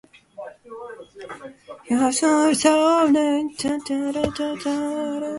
まっさら。そして、僕らは色々なものを発掘した。